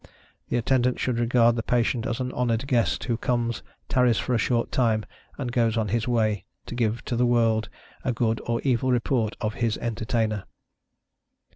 The Attendant should regard the patient as an honored guest, who comes, tarries for a short time, and goes on his way, to give to the world a good or evil report of his entertainer.